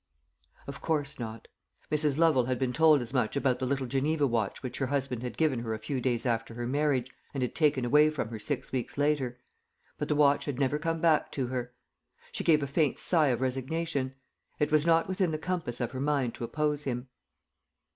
Of course not. Mrs. Lovel had been told as much about the little Geneva watch which her husband had given her a few days after her marriage, and had taken away from her six weeks later. But the watch had never come back to her. She gave a faint sigh of resignation. It was not within the compass of her mind to oppose him.